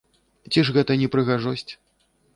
Ці ж гэта не прыгажосць?